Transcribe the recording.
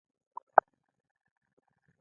د میرمنو کار د کار بازار تنوع لوړوي.